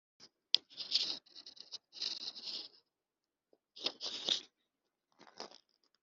Ijambo Insigamigani ryagendeye ku magambo abiri y’ikinyarwnda a